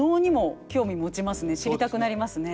知りたくなりますね。